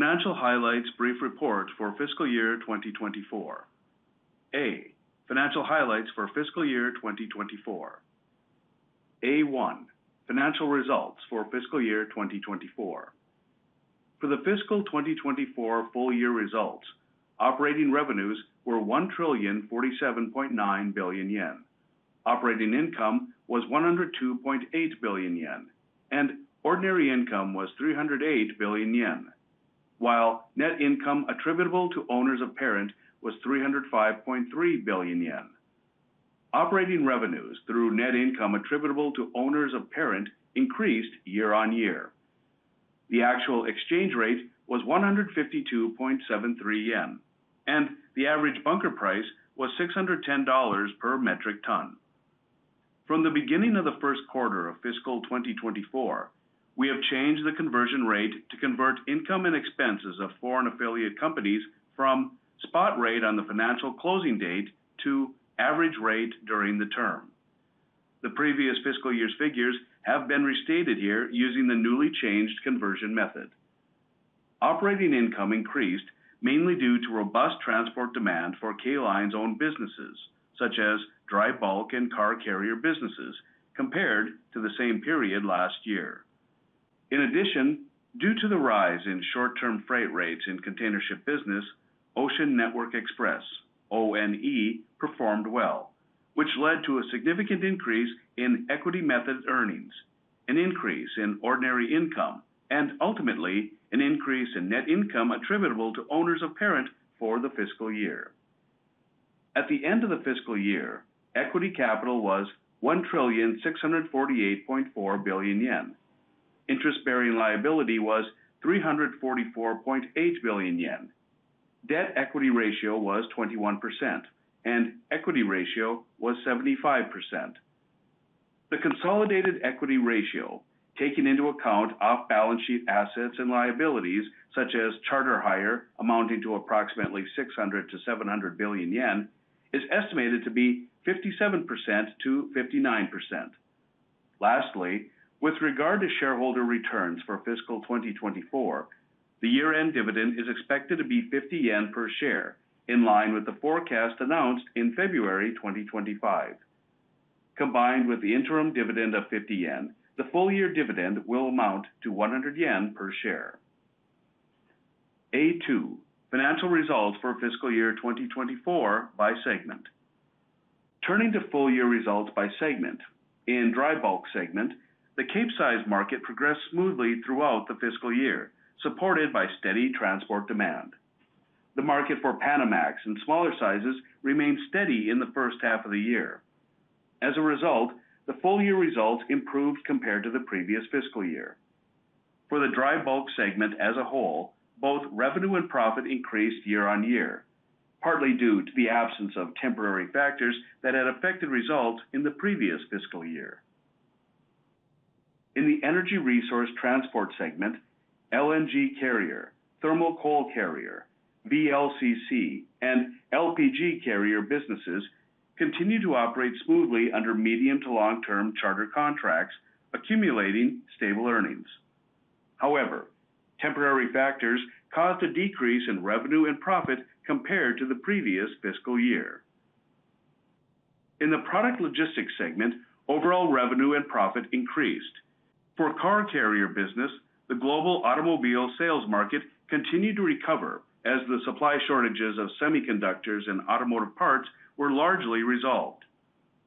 Financial Highlights Brief Report for Fiscal Year 2024. A. Financial Highlights for Fiscal Year 2024. A.1. Financial Results for Fiscal Year 2024. For the fiscal 2024 full year results, operating revenues were 1,047.9 billion yen, operating income was 102.8 billion yen, and ordinary income was 308 billion yen, while net income attributable to owners of parent was 305.3 billion yen. Operating revenues through net income attributable to owners of parent increased year-on-year. The actual exchange rate was 152.73 yen, and the average bunker price was $610 per metric ton. From the beginning of the first quarter of fiscal 2024, we have changed the conversion rate to convert income and expenses of foreign affiliate companies from spot rate on the financial closing date to average rate during the term. The previous fiscal year's figures have been restated here using the newly changed conversion method. Operating income increased mainly due to robust transport demand for K Line's own businesses, such as dry bulk and car carrier businesses, compared to the same period last year. In addition, due to the rise in short-term freight rates in container ship business, Ocean Network Express (ONE) performed well, which led to a significant increase in equity method earnings, an increase in ordinary income, and ultimately an increase in net income attributable to owners of parent for the fiscal year. At the end of the fiscal year, equity capital was 1,648.4 billion yen. Interest-bearing liability was 344.8 billion yen. Debt-equity ratio was 21%, and equity ratio was 75%. The consolidated equity ratio, taken into account off balance sheet assets and liabilities such as charter hire amounting to approximately 600-700 billion yen, is estimated to be 57%-59%. Lastly, with regard to shareholder returns for fiscal 2024, the year-end dividend is expected to be 50 yen per share, in line with the forecast announced in February 2025. Combined with the interim dividend of 50 yen, the full year dividend will amount to 100 yen per share. A.2. Financial Results for Fiscal Year 2024 by Segment. Turning to full year results by segment, in the dry bulk segment, the Cape size market progressed smoothly throughout the fiscal year, supported by steady transport demand. The market for Panamax and smaller sizes remained steady in the first half of the year. As a result, the full year results improved compared to the previous fiscal year. For the dry bulk segment as a whole, both revenue and profit increased year-on-year, partly due to the absence of temporary factors that had affected results in the previous fiscal year. In the energy resource transport segment, LNG carrier, thermal coal carrier, VLCC, and LPG carrier businesses continue to operate smoothly under medium to long-term charter contracts, accumulating stable earnings. However, temporary factors caused a decrease in revenue and profit compared to the previous fiscal year. In the product logistics segment, overall revenue and profit increased. For car carrier business, the global automobile sales market continued to recover as the supply shortages of semiconductors and automotive parts were largely resolved.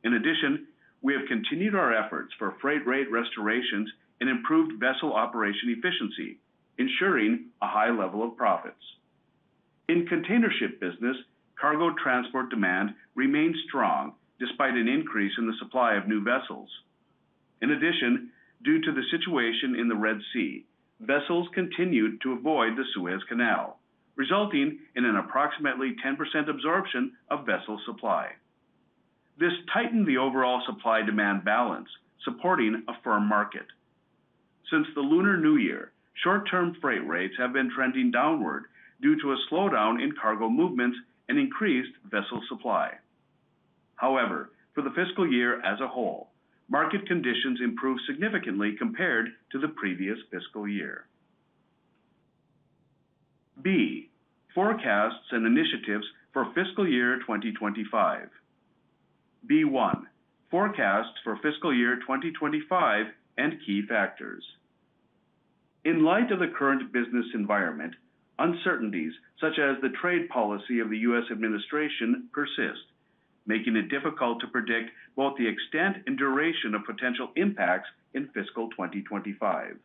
In addition, we have continued our efforts for freight rate restorations and improved vessel operation efficiency, ensuring a high level of profits. In container ship business, cargo transport demand remained strong despite an increase in the supply of new vessels. In addition, due to the situation in the Red Sea, vessels continued to avoid the Suez Canal, resulting in an approximately 10% absorption of vessel supply. This tightened the overall supply-demand balance, supporting a firm market. Since the Lunar New Year, short-term freight rates have been trending downward due to a slowdown in cargo movements and increased vessel supply. However, for the fiscal year as a whole, market conditions improved significantly compared to the previous fiscal year. B. Forecasts and Initiatives for Fiscal Year 2025. B.1. Forecasts for Fiscal Year 2025 and Key Factors. In light of the current business environment, uncertainties such as the trade policy of the U.S. administration persist, making it difficult to predict both the extent and duration of potential impacts in fiscal 2025.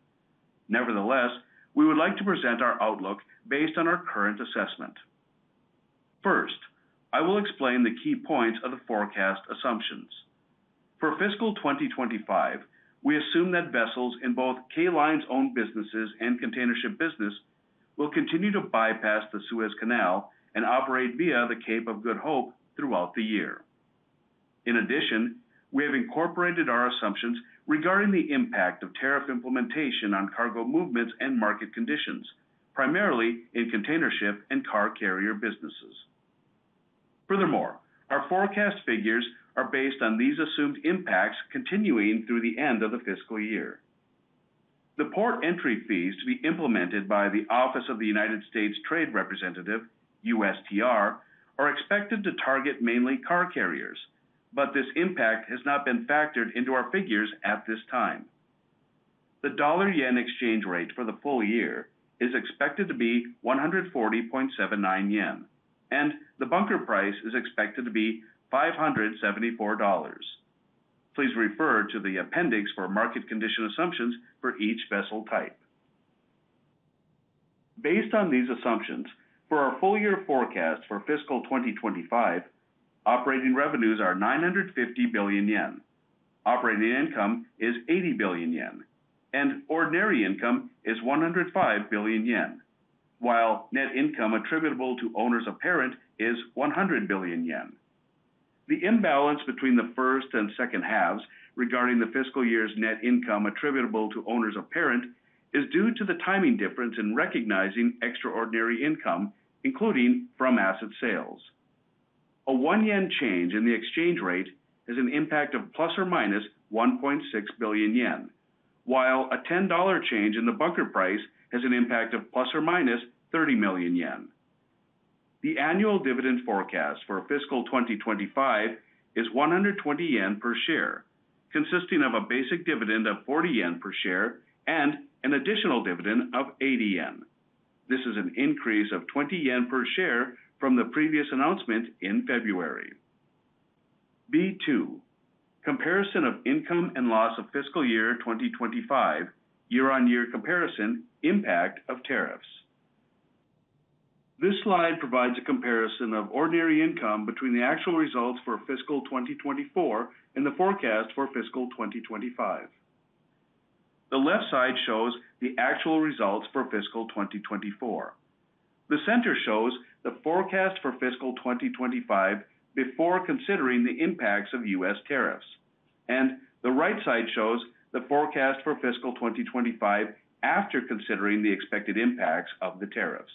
Nevertheless, we would like to present our outlook based on our current assessment. First, I will explain the key points of the forecast assumptions. For fiscal 2025, we assume that vessels in both K Line's own businesses and container ship business will continue to bypass the Suez Canal and operate via the Cape of Good Hope throughout the year. In addition, we have incorporated our assumptions regarding the impact of tariff implementation on cargo movements and market conditions, primarily in container ship and car carrier businesses. Furthermore, our forecast figures are based on these assumed impacts continuing through the end of the fiscal year. The port entry fees to be implemented by the Office of the U.S. Trade Representative, USTR, are expected to target mainly car carriers, but this impact has not been factored into our figures at this time. The dollar-JPY exchange rate for the full year is expected to be 140.79 yen, and the bunker price is expected to be $574. Please refer to the appendix for market condition assumptions for each vessel type. Based on these assumptions, for our full year forecast for fiscal 2025, operating revenues are 950 billion yen, operating income is 80 billion yen, and ordinary income is 105 billion yen, while net income attributable to owners of parent is 100 billion yen. The imbalance between the first and second halves regarding the fiscal year's net income attributable to owners of parent is due to the timing difference in recognizing extraordinary income, including from asset sales. A one JPY change in the exchange rate has an impact of plus or minus 1.6 billion yen, while a $10 change in the bunker price has an impact of plus or minus 30 million yen. The annual dividend forecast for fiscal 2025 is 120 yen per share, consisting of a basic dividend of 40 yen per share and an additional dividend of 80 yen. This is an increase of 20 yen per share from the previous announcement in February. B.2. Comparison of Income and Loss of Fiscal Year 2025: Year-on-Year Comparison Impact of Tariffs. This slide provides a comparison of ordinary income between the actual results for fiscal 2024 and the forecast for fiscal 2025. The left side shows the actual results for fiscal 2024. The center shows the forecast for fiscal 2025 before considering the impacts of U.S. tariffs, and the right side shows the forecast for fiscal 2025 after considering the expected impacts of the tariffs.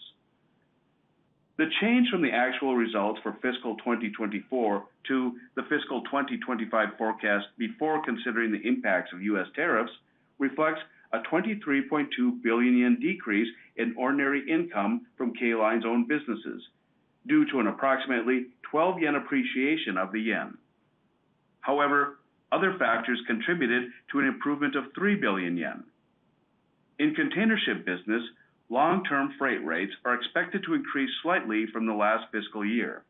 The change from the actual results for fiscal 2024 to the fiscal 2025 forecast before considering the impacts of U.S. Tariffs reflects a 23.2 billion yen decrease in ordinary income from K Line's own businesses due to an approximately 12 yen appreciation of the JPY. However, other factors contributed to an improvement of 3 billion yen. In container ship business, long-term freight rates are expected to increase slightly from the last fiscal year.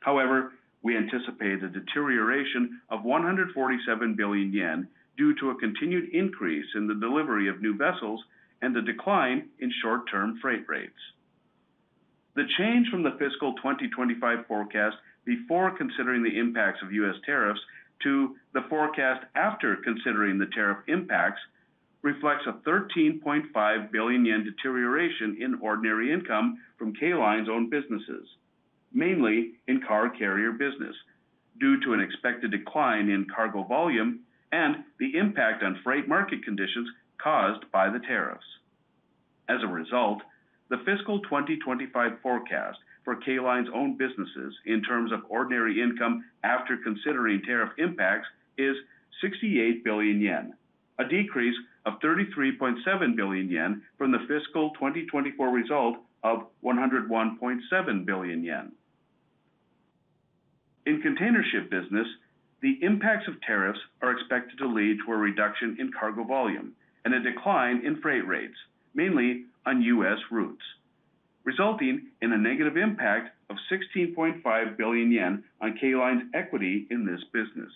However, we anticipate a deterioration of 147 billion yen due to a continued increase in the delivery of new vessels and the decline in short-term freight rates. The change from the fiscal 2025 forecast before considering the impacts of U.S. tariffs to the forecast after considering the tariff impacts reflects a 13.5 billion yen deterioration in ordinary income from K Line's own businesses, mainly in car carrier business, due to an expected decline in cargo volume and the impact on freight market conditions caused by the tariffs. As a result, the fiscal 2025 forecast for K Line's own businesses in terms of ordinary income after considering tariff impacts is 68 billion yen, a decrease of 33.7 billion yen from the fiscal 2024 result of 101.7 billion yen. In container ship business, the impacts of tariffs are expected to lead to a reduction in cargo volume and a decline in freight rates, mainly on U.S. routes, resulting in a negative impact of 16.5 billion yen on K Line's equity in this business.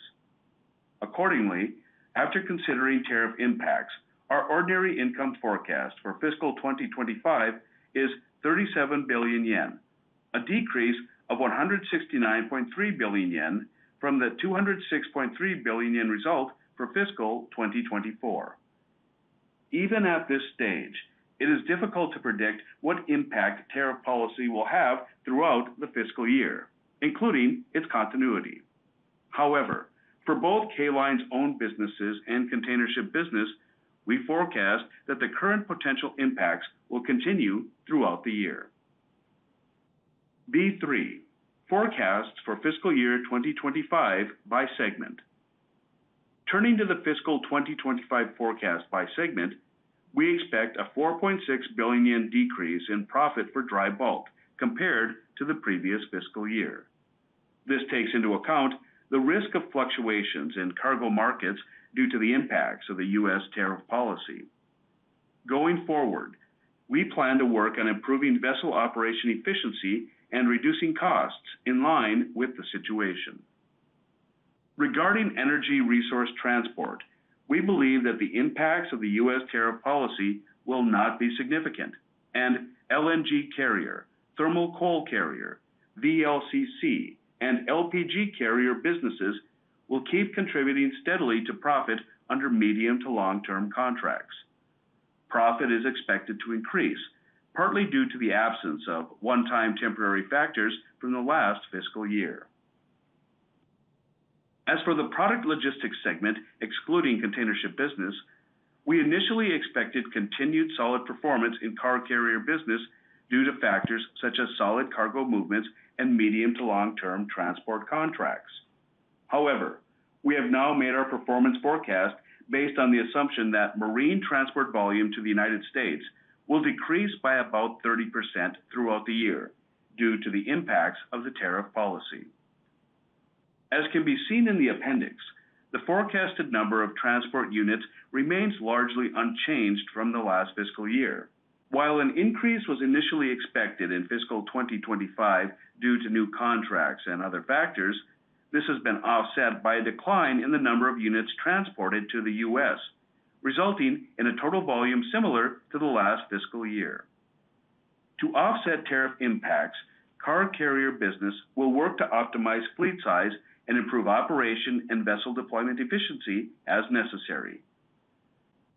Accordingly, after considering tariff impacts, our ordinary income forecast for fiscal 2025 is 37 billion yen, a decrease of 169.3 billion yen from the 206.3 billion yen result for fiscal 2024. Even at this stage, it is difficult to predict what impact tariff policy will have throughout the fiscal year, including its continuity. However, for both K Line's own businesses and container ship business, we forecast that the current potential impacts will continue throughout the year. B.3. Forecasts for Fiscal Year 2025 by Segment. Turning to the fiscal 2025 forecast by segment, we expect a JPY 4.6 billion decrease in profit for dry bulk compared to the previous fiscal year. This takes into account the risk of fluctuations in cargo markets due to the impacts of the U.S. tariff policy. Going forward, we plan to work on improving vessel operation efficiency and reducing costs in line with the situation. Regarding energy resource transport, we believe that the impacts of the U.S. tariff policy will not be significant, and LNG carrier, thermal coal carrier, VLCC, and LPG carrier businesses will keep contributing steadily to profit under medium to long-term contracts. Profit is expected to increase, partly due to the absence of one-time temporary factors from the last fiscal year. As for the product logistics segment, excluding container ship business, we initially expected continued solid performance in car carrier business due to factors such as solid cargo movements and medium to long-term transport contracts. However, we have now made our performance forecast based on the assumption that marine transport volume to the United States will decrease by about 30% throughout the year due to the impacts of the tariff policy. As can be seen in the appendix, the forecasted number of transport units remains largely unchanged from the last fiscal year. While an increase was initially expected in fiscal 2025 due to new contracts and other factors, this has been offset by a decline in the number of units transported to the U.S., resulting in a total volume similar to the last fiscal year. To offset tariff impacts, car carrier business will work to optimize fleet size and improve operation and vessel deployment efficiency as necessary.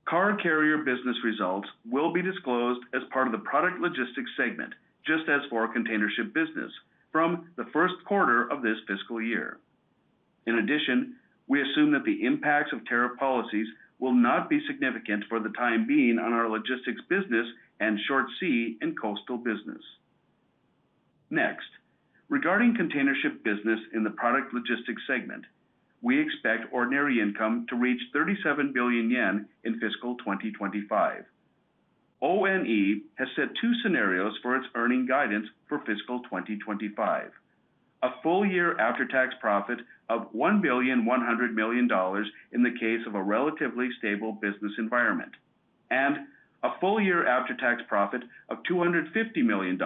Car carrier business results will be disclosed as part of the product logistics segment, just as for container ship business, from the first quarter of this fiscal year. In addition, we assume that the impacts of tariff policies will not be significant for the time being on our logistics business and short sea and coastal business. Next, regarding container ship business in the product logistics segment, we expect ordinary income to reach 37 billion yen in fiscal 2025. ONE has set two scenarios for its earning guidance for fiscal 2025: a full year after-tax profit of $1.1 billion in the case of a relatively stable business environment, and a full year after-tax profit of $250 million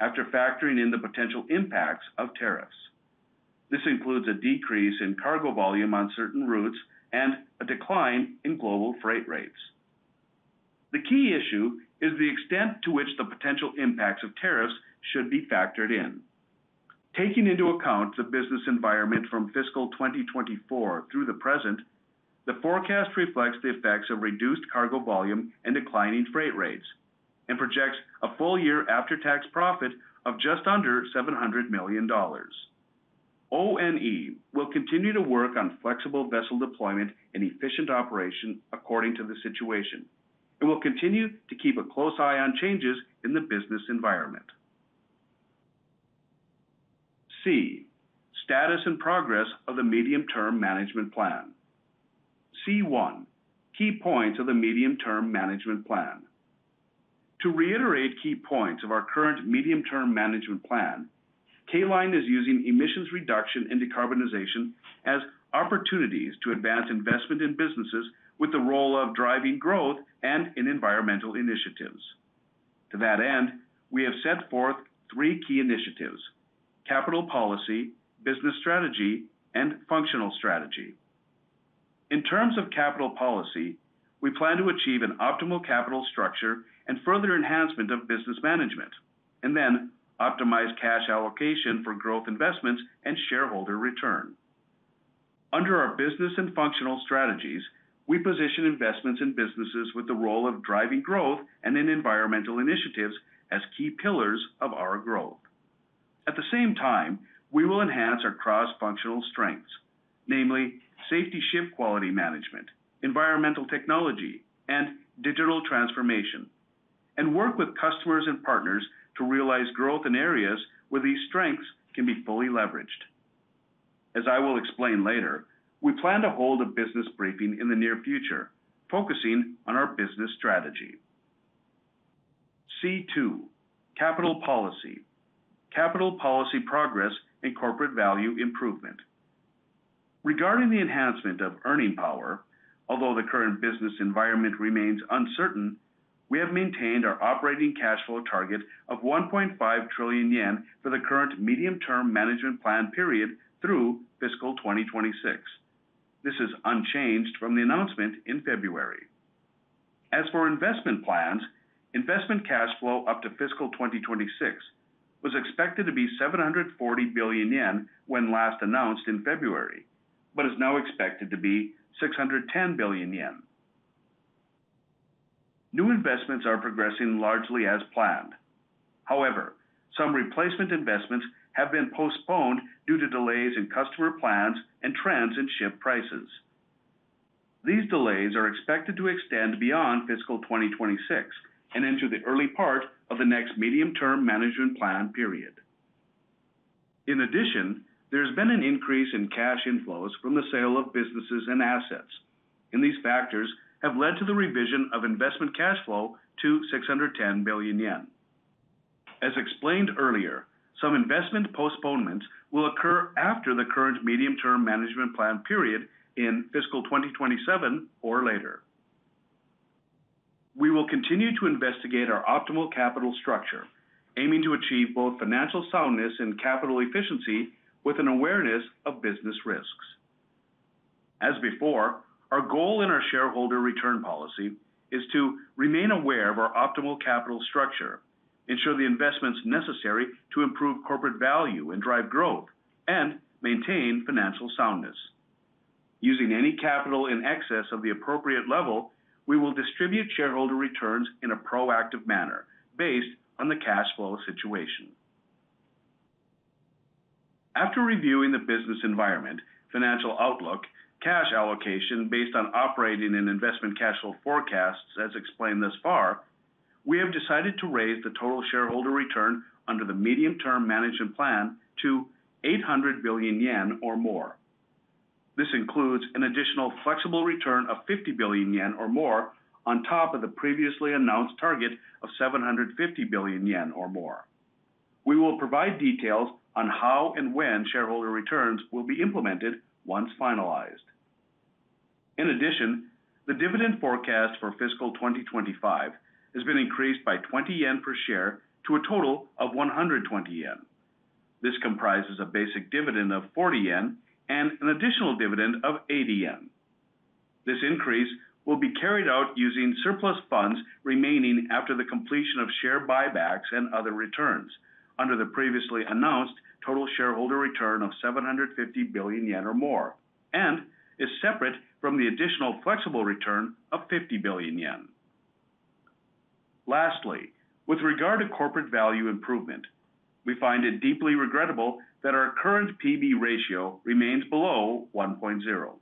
after factoring in the potential impacts of tariffs. This includes a decrease in cargo volume on certain routes and a decline in global freight rates. The key issue is the extent to which the potential impacts of tariffs should be factored in. Taking into account the business environment from fiscal 2024 through the present, the forecast reflects the effects of reduced cargo volume and declining freight rates and projects a full year after-tax profit of just under $700 million. ONE will continue to work on flexible vessel deployment and efficient operation according to the situation and will continue to keep a close eye on changes in the business environment. C. Status and Progress of the Medium-Term Management Plan. C.1. Key Points of the Medium-Term Management Plan. To reiterate key points of our current medium-term management plan, K Line is using emissions reduction and decarbonization as opportunities to advance investment in businesses with the role of driving growth and in environmental initiatives. To that end, we have set forth three key initiatives: capital policy, business strategy, and functional strategy. In terms of capital policy, we plan to achieve an optimal capital structure and further enhancement of business management, and then optimize cash allocation for growth investments and shareholder return. Under our business and functional strategies, we position investments in businesses with the role of driving growth and in environmental initiatives as key pillars of our growth. At the same time, we will enhance our cross-functional strengths, namely safety ship quality management, environmental technology, and digital transformation, and work with customers and partners to realize growth in areas where these strengths can be fully leveraged. As I will explain later, we plan to hold a business briefing in the near future focusing on our business strategy. C.2. Capital Policy. Capital Policy Progress and Corporate Value Improvement. Regarding the enhancement of earning power, although the current business environment remains uncertain, we have maintained our operating cash flow target of 1.5 trillion yen for the current medium-term management plan period through fiscal 2026. This is unchanged from the announcement in February. As for investment plans, investment cash flow up to fiscal 2026 was expected to be 740 billion yen when last announced in February, but is now expected to be 610 billion yen. New investments are progressing largely as planned. However, some replacement investments have been postponed due to delays in customer plans and trends in ship prices. These delays are expected to extend beyond fiscal 2026 and into the early part of the next medium-term management plan period. In addition, there has been an increase in cash inflows from the sale of businesses and assets, and these factors have led to the revision of investment cash flow to 610 billion yen. As explained earlier, some investment postponements will occur after the current medium-term management plan period in fiscal 2027 or later. We will continue to investigate our optimal capital structure, aiming to achieve both financial soundness and capital efficiency with an awareness of business risks. As before, our goal in our shareholder return policy is to remain aware of our optimal capital structure, ensure the investments necessary to improve corporate value and drive growth, and maintain financial soundness. Using any capital in excess of the appropriate level, we will distribute shareholder returns in a proactive manner based on the cash flow situation. After reviewing the business environment, financial outlook, cash allocation based on operating and investment cash flow forecasts as explained thus far, we have decided to raise the total shareholder return under the medium-term management plan to 800 billion yen or more. This includes an additional flexible return of 50 billion yen or more on top of the previously announced target of 750 billion yen or more. We will provide details on how and when shareholder returns will be implemented once finalized. In addition, the dividend forecast for fiscal 2025 has been increased by 20 yen per share to a total of 120 yen. This comprises a basic dividend of 40 yen and an additional dividend of 80 yen. This increase will be carried out using surplus funds remaining after the completion of share buybacks and other returns under the previously announced total shareholder return of 750 billion yen or more and is separate from the additional flexible return of 50 billion yen. Lastly, with regard to corporate value improvement, we find it deeply regrettable that our current P/B ratio remains below 1.0.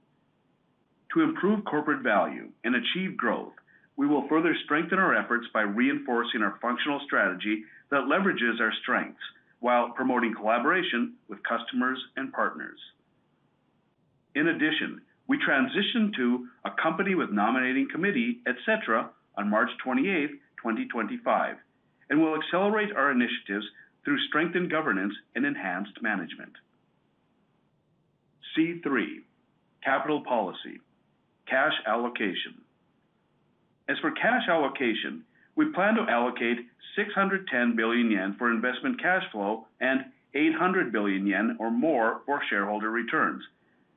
To improve corporate value and achieve growth, we will further strengthen our efforts by reinforcing our functional strategy that leverages our strengths while promoting collaboration with customers and partners. In addition, we transition to a company with nominating committee, etc., on March 28, 2025, and will accelerate our initiatives through strengthened governance and enhanced management. C.3. Capital Policy. Cash Allocation. As for cash allocation, we plan to allocate 610 billion yen for investment cash flow and 800 billion yen or more for shareholder returns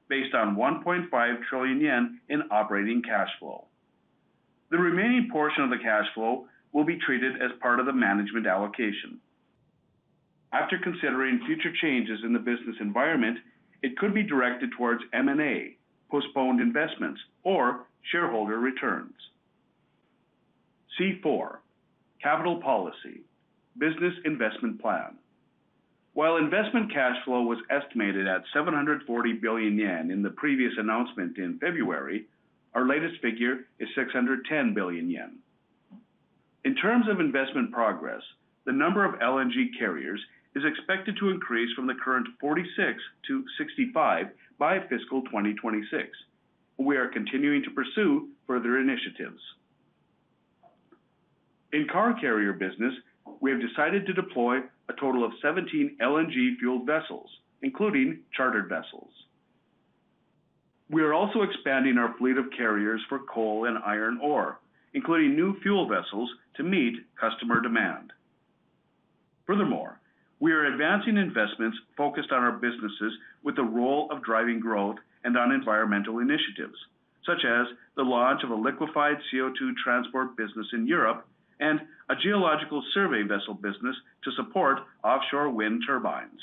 based on 1.5 trillion yen in operating cash flow. The remaining portion of the cash flow will be treated as part of the management allocation. After considering future changes in the business environment, it could be directed towards M&A, postponed investments, or shareholder returns. C.4. Capital Policy. Business Investment Plan. While investment cash flow was estimated at 740 billion yen in the previous announcement in February, our latest figure is 610 billion yen. In terms of investment progress, the number of LNG carriers is expected to increase from the current 46-65 by fiscal 2026, and we are continuing to pursue further initiatives. In car carrier business, we have decided to deploy a total of 17 LNG-fueled vessels, including chartered vessels. We are also expanding our fleet of carriers for coal and iron ore, including new fuel vessels to meet customer demand. Furthermore, we are advancing investments focused on our businesses with the role of driving growth and on environmental initiatives, such as the launch of a liquefied CO2 transport business in Europe and a geological survey vessel business to support offshore wind turbines.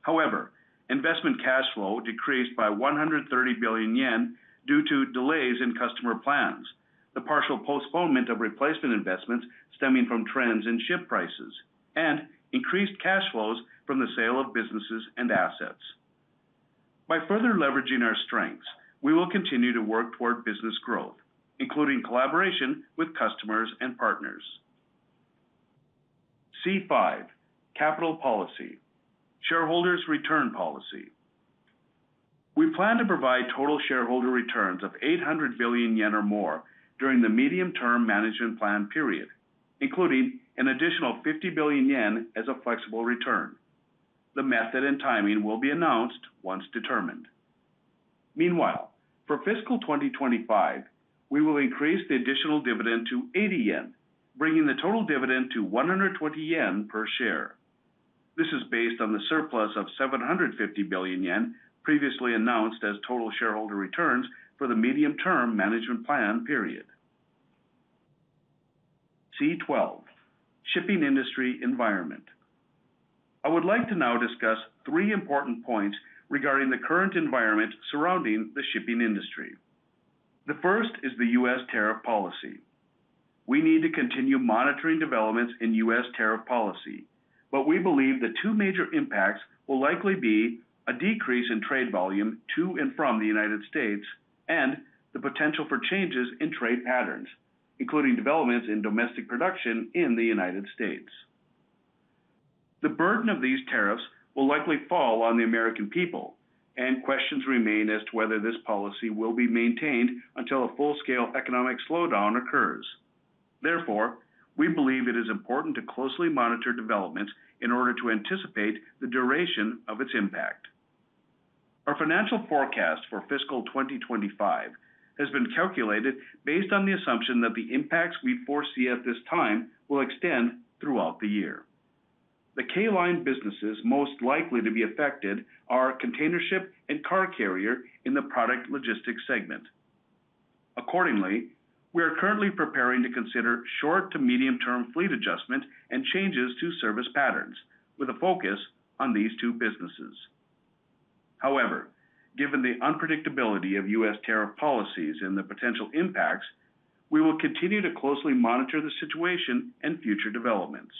However, investment cash flow decreased by 130 billion yen due to delays in customer plans, the partial postponement of replacement investments stemming from trends in ship prices, and increased cash flows from the sale of businesses and assets. By further leveraging our strengths, we will continue to work toward business growth, including collaboration with customers and partners. C.5. Capital Policy. Shareholders' Return Policy. We plan to provide total shareholder returns of 800 billion yen or more during the medium-term management plan period, including an additional 50 billion yen as a flexible return. The method and timing will be announced once determined. Meanwhile, for fiscal 2025, we will increase the additional dividend to 80 yen, bringing the total dividend to 120 yen per share. This is based on the surplus of 750 billion yen previously announced as total shareholder returns for the medium-term management plan period. C.12. Shipping Industry Environment. I would like to now discuss three important points regarding the current environment surrounding the shipping industry. The first is the U.S. tariff policy. We need to continue monitoring developments in U.S. Tariff policy, but we believe the two major impacts will likely be a decrease in trade volume to and from the United States and the potential for changes in trade patterns, including developments in domestic production in the United States. The burden of these tariffs will likely fall on the American people, and questions remain as to whether this policy will be maintained until a full-scale economic slowdown occurs. Therefore, we believe it is important to closely monitor developments in order to anticipate the duration of its impact. Our financial forecast for fiscal 2025 has been calculated based on the assumption that the impacts we foresee at this time will extend throughout the year. The K Line businesses most likely to be affected are container ship and car carrier in the product logistics segment. Accordingly, we are currently preparing to consider short to medium-term fleet adjustment and changes to service patterns with a focus on these two businesses. However, given the unpredictability of U.S. tariff policies and the potential impacts, we will continue to closely monitor the situation and future developments.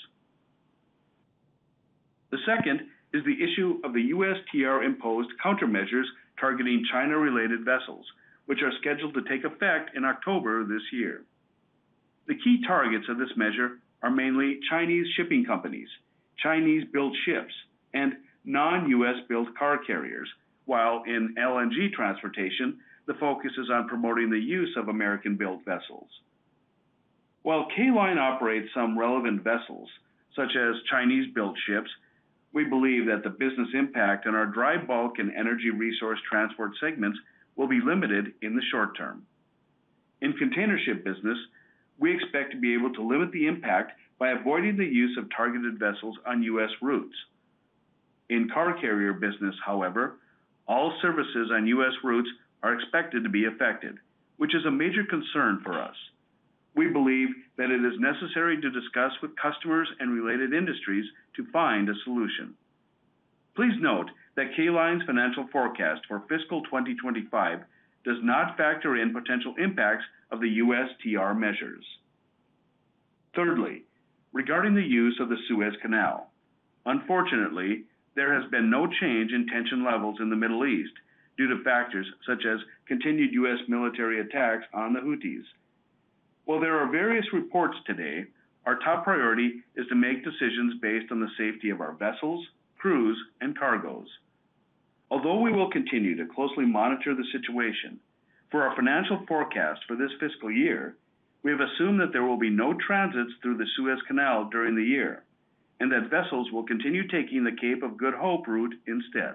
The second is the issue of the USTR-imposed countermeasures targeting China-related vessels, which are scheduled to take effect in October this year. The key targets of this measure are mainly Chinese shipping companies, Chinese-built ships, and non-U.S.-built car carriers, while in LNG transportation, the focus is on promoting the use of American-built vessels. While K Line operates some relevant vessels, such as Chinese-built ships, we believe that the business impact on our dry bulk and energy resource transport segments will be limited in the short term. In container ship business, we expect to be able to limit the impact by avoiding the use of targeted vessels on U.S. routes. In car carrier business, however, all services on U.S. routes are expected to be affected, which is a major concern for us. We believe that it is necessary to discuss with customers and related industries to find a solution. Please note that K Line's financial forecast for fiscal 2025 does not factor in potential impacts of the USTR measures. Thirdly, regarding the use of the Suez Canal, unfortunately, there has been no change in tension levels in the Middle East due to factors such as continued U.S. military attacks on the Houthis. While there are various reports today, our top priority is to make decisions based on the safety of our vessels, crews, and cargoes. Although we will continue to closely monitor the situation, for our financial forecast for this fiscal year, we have assumed that there will be no transits through the Suez Canal during the year and that vessels will continue taking the Cape of Good Hope route instead.